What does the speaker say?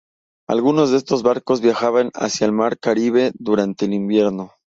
Algunos de estos barcos viajaban hacia el Mar Caribe durante el invierno.